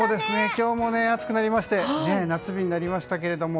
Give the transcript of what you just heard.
今日も暑くなりまして夏日になりましたけれども。